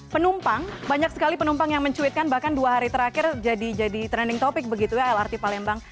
penumpang banyak sekali penumpang yang mencuitkan bahkan dua hari terakhir jadi trending topic begitu ya lrt palembang